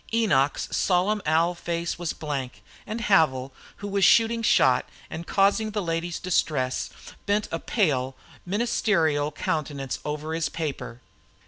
Enoch's solemn owl face was blank, and Havil, who was shooting shot and causing the lady's distress, bent a pale, ministerial countenance over his paper.